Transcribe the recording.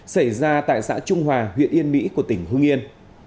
xảy ra tại xã trung hòa huyện yên mỹ của tỉnh hương yên